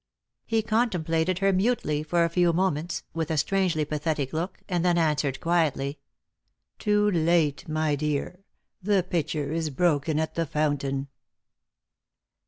He contemplated her mutely for a few moments, with a etrangely pathetic look, and then answered quietly :" Too late, my dear. The pitcher is broken at the fountain."